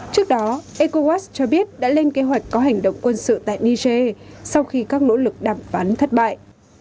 trước đó ecowas cho biết đã lên kế hoạch có hành động quân sự tại niger sau khi các nỗ lực đàm phán thất bại